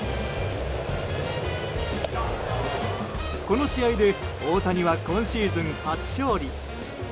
この試合で大谷は今シーズン初勝利。